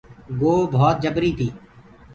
گو ڀوت جبري تي۔